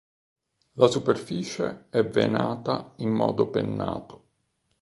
La superficie è venata in modo pennato.